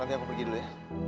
nanti aku pergi dulu ya